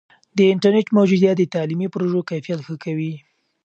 د انټرنیټ موجودیت د تعلیمي پروژو کیفیت ښه کوي.